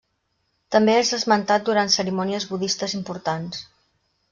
També és esmentat durant cerimònies budistes importants.